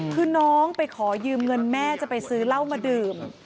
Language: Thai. คือน้องไปขอยืมเงินแม่จะไปซื้อเหล้ามาดื่ม